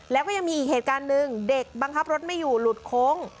แล้วก็ยังมีอีกเหตุการณ์หนึ่งเด็กบังคับรถไม่อยู่หลุดโค้ง